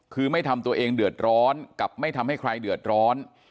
คือไม่ทำตัวเองเดือดร้อนกับไม่ทำให้ใครเดือดร้อน